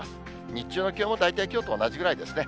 日中の気温も大体きょうと同じぐらいですね。